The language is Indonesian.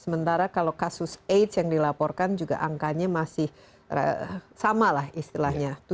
sementara kalau kasus aids yang dilaporkan juga angkanya masih sama lah istilahnya